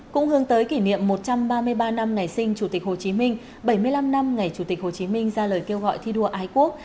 cũng hướng tới kỷ niệm một trăm ba mươi ba năm ngày sinh chủ tịch hồ chí minh bảy mươi năm năm ngày chủ tịch hồ chí minh ra lời kêu gọi thi đua ái quốc